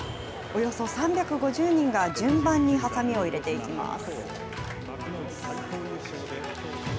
およそ３５０人が順番にはさみを入れていきます。